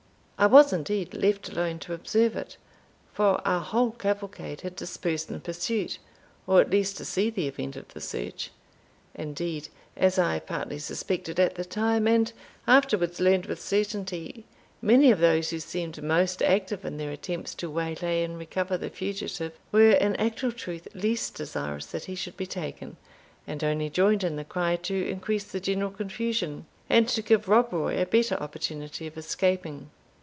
I was indeed left alone to observe it, for our whole cavalcade had dispersed in pursuit, or at least to see the event of the search. Indeed, as I partly suspected at the time, and afterwards learned with certainty, many of those who seemed most active in their attempts to waylay and recover the fugitive, were, in actual truth, least desirous that he should be taken, and only joined in the cry to increase the general confusion, and to give Rob Roy a better opportunity of escaping.